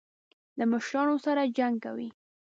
له مشرانو سره جنګ کوي.